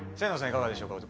いかがでしょうか？